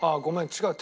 違う。